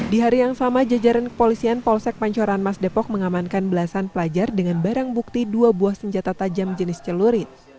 di hari yang sama jajaran kepolisian polsek pancoran mas depok mengamankan belasan pelajar dengan barang bukti dua buah senjata tajam jenis celurit